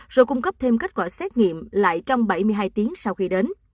rồi cung cấp thêm kết quả xét nghiệm lại trong bảy mươi hai tiếng sau khi đến